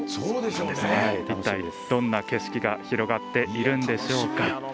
どんな景色が広がっているんでしょうか。